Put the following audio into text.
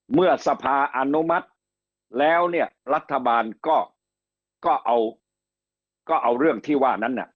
เมื่อสภาอนุมัติแล้วเนี่ยรัฐบาลก็เอาก็เอาเรื่องที่ว่านั้น